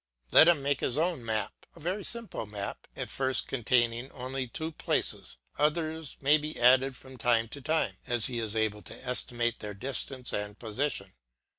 Let him make his own map, a very simple map, at first containing only two places; others may be added from time to time, as he is able to estimate their distance and position.